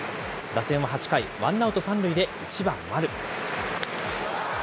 打線は８回、ワンアウト３塁で１番丸。